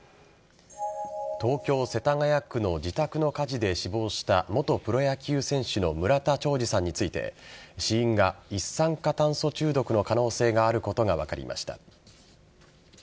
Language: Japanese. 東京・世田谷区の自宅の火事で死亡した元プロ野球選手の村田兆治さんについて死因が一酸化炭素中毒の可能性があることが分かりました。